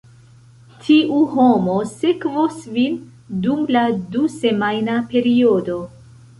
Tiu homo sekvos vin dum la du-semajna periodo.